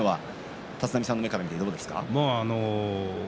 立浪さんの目から見てどうですか。